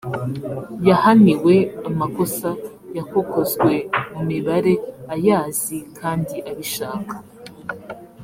yahaniwe amakosa yakokozwe mu mibare ayazi kandi abishaka